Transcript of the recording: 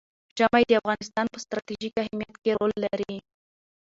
ژمی د افغانستان په ستراتیژیک اهمیت کې رول لري.